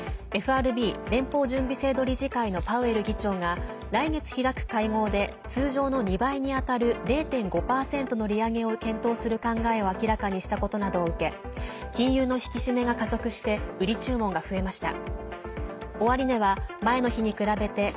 ＦＲＢ＝連邦準備制度理事会のパウエル議長が来月開く会合で通常の２倍に当たる０．５％の利上げを検討する考えを明らかにしたことなどを受け金融の引き締めが加速して売り注文が増えました。